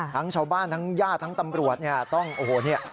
ทั้งชาวบ้านทั้งญาติทั้งตำรวจเนี่ย